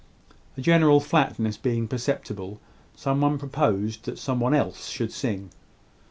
A general flatness being perceptible, some one proposed that somebody else should sing.